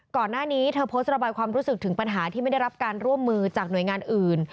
ก่อนหน้านี้เธอโพสต์ระบายความรู้สึกถึงปัญหาที่ไม่ได้รับการร่วมมือจากหน่วยงานอื่น